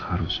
ya harus tuh